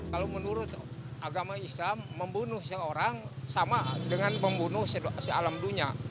kalau menurut agama islam membunuh seorang sama dengan membunuh seaman tendency alam dunia